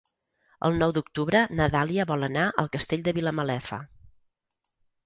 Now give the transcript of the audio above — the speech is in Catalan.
El nou d'octubre na Dàlia vol anar al Castell de Vilamalefa.